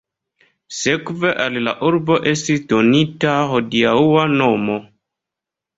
Sekve al la urbo estis donita hodiaŭa nomo.